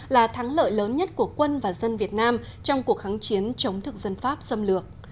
là thắng lợi lớn nhất của quân và dân việt nam trong cuộc kháng chiến chống thực dân pháp xâm lược